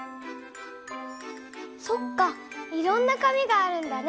そっかいろんな紙があるんだね。